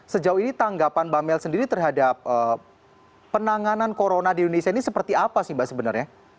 sejauh ini tanggapan mbak mel sendiri terhadap penanganan corona di indonesia ini seperti apa sih mbak sebenarnya